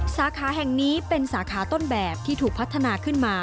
สาขาแห่งนี้เป็นสาขาต้นแบบที่ถูกพัฒนาขึ้นมา